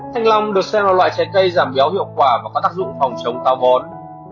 thanh long được xem là loại trái cây giảm béo hiệu quả và có tác dụng phòng chống cao gón